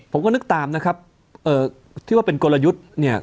ผมก็นึกตามนะครับที่ว่าเป็นกนยศ